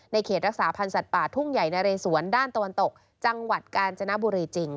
เขตรักษาพันธ์สัตว์ป่าทุ่งใหญ่นะเรสวนด้านตะวันตกจังหวัดกาญจนบุรีจริง